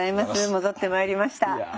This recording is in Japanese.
戻ってまいりました。